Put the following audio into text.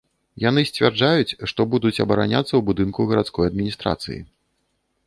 Яны сцвярджаюць, што будуць абараняцца ў будынку гарадской адміністрацыі.